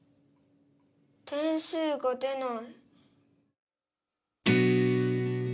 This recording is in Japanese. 点数が出ない。